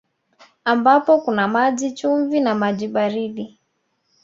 Ambapo kuna maji chumvi na maji baridi